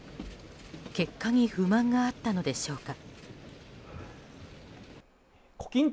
結果に不満があったのでしょうか。